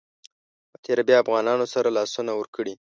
په تېره بیا افغانانو سره لاسونه ورکړي.